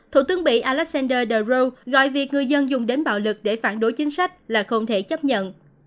thủ tướng mỹ alexander dero gọi việc người dân dùng đến bạo lực để phản đối chính sách là không thể chấp nhận